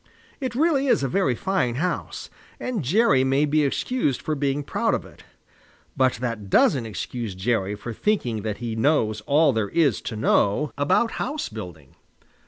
It really is a very fine house, and Jerry may be excused for being proud of it. But that doesn't excuse Jerry for thinking that he knows all there is to know about house building.